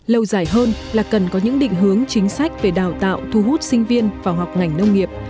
lâu dài hơn là cần có những định hướng chính sách về đào tạo thu hút sinh viên vào học ngành nông nghiệp